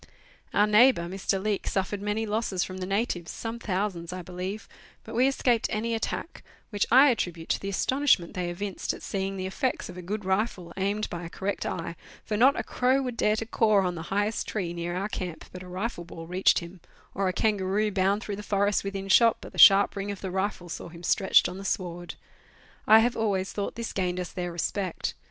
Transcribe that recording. Our neighbour, Mr. Leake, suffered many losses from the natives, some thousands I believe, but we escaped any attack, which I attribute to the astonishment they evinced at seeing the effects of a good rifle aimed by a correct eye, for not a crow would dare to caw on the highest tree near our camp but a rifle ball reached him, or a kangaroo bound through the forest within shot but the sharp ring of the rifle saw him stretched on the sward. I have always thought this gained us their respect.